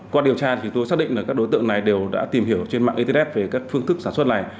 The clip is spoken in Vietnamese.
qua điều tra thì tôi xác định là các đối tượng này đều đã tìm hiểu trên mạng internet về các phương thức sản xuất này